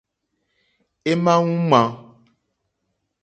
É ǃmá wúŋmā.